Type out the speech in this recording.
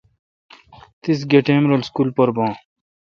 تیس گہ ٹیم رل اسکول پر بان